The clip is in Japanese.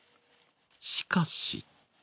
しかし。